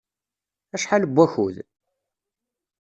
Acḥal n wakud?